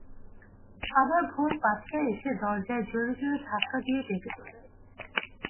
আবার ভোর পাঁচটায় এসে দরজায় জোরে জোরে ধাক্কা দিয়ে ডেকে তোলে।